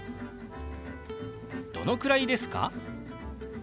「どのくらいですか？」。